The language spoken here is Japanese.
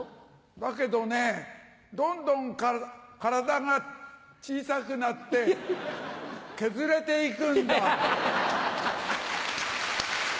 だけどねどんどん体が小さくなって削れていくんだ。